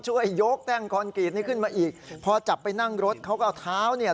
ช่วยยกแท่งกรีดนี่ขึ้นมาเองพอจับไปนั่งรถเขาก็เท้าเนี่ย